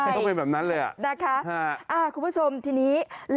คุณผู้ชมทีนี้หลังจากที่ท่านออกมาให้สัมภาษณ์แบบนี้แล้ว